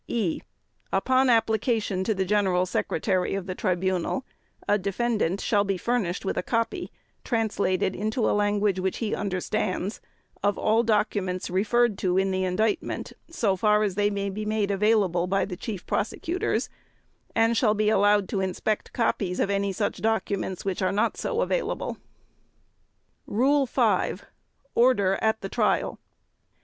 (e) Upon application to the General Secretary of the Tribunal, a defendant shall be furnished with a copy, translated into a language which he understands, of all documents referred to in the Indictment so far as they may be made available by the Chief Prosecutors and shall be allowed to inspect copies of any such documents as are not so available. Rule 5. _Order at the Trial.